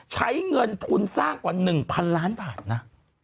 ใช้เงินทุนสร้างกว่า๑๐๐ล้านบาทนะ